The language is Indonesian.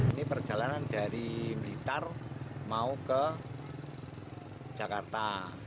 ini perjalanan dari blitar mau ke jakarta